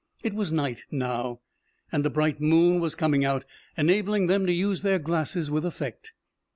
It was night now, and a bright moon was coming out, enabling them to use their glasses with effect.